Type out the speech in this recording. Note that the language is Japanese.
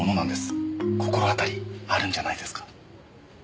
心当たりあるんじゃないですか？